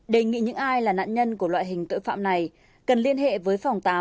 đề nghị những ai là nạn nhân của loại hình tội phạm này cần liên hệ với phòng tám